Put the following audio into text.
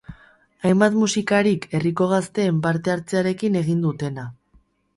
Hainbat musikarik herriko gazteen parte hartzearekin egin dutena.